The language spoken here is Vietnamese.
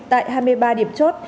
tại hai mươi ba điểm chốt